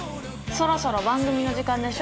そろそろ番組の時間でしょ？